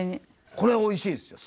これは美味しいですよ。